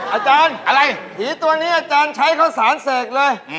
อาจารย์ผีตัวนี้อาจารย์ใช้เขาสานเสกเลย